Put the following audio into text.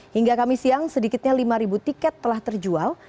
hingga kami siang sedikitnya lima tiket telah terjual